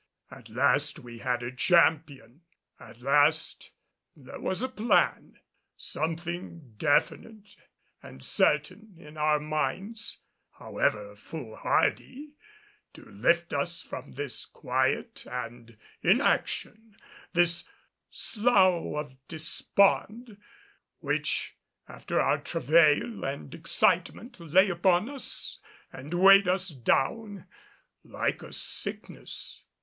At last we had a champion at last there was a plan something definite and certain in our minds, however foolhardy, to lift us from this quiet and inaction, this slough of despond, which, after our travail and excitement, lay upon us and weighed us down like a sickness.